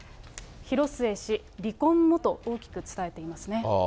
広末氏、離婚もと大きく伝えていますね。